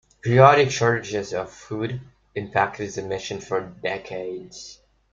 Periodic shortages of food impacted the mission for decades.